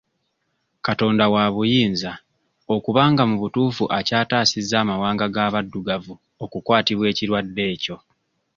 Katonda waabuyinza okubanga mu butuufu akyataasizza amawanga g'abaddugavu okukwatibwa ekirwadde ekyo.